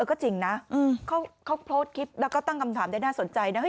ก็จริงนะเขาโพสต์คลิปแล้วก็ตั้งคำถามได้น่าสนใจนะ